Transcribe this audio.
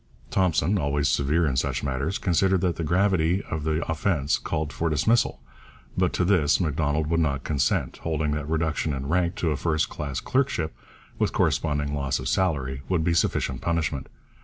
Thompson, always severe in such matters, considered that the gravity of the offence called for dismissal, but to this Macdonald would not consent, holding that reduction in rank to a first class clerkship, with corresponding loss of salary, would be sufficient punishment.